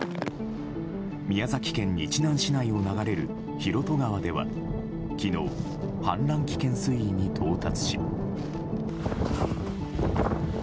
宮崎県日南市内を流れる広渡川では昨日、氾濫危険水位に到達し。